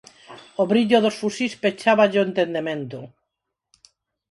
O brillo dos fusís pecháballe o entendemento.